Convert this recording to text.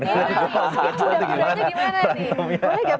berantemnya gimana nih